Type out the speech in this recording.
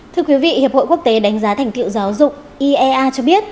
thưa quý vị hiệp hội quốc tế đánh giá thành tiệu giáo dục iea cho biết